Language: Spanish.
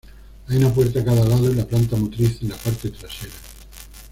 Hay una puerta a cada lado y la planta motriz en la parte trasera.